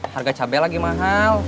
harga cabenya lagi mahal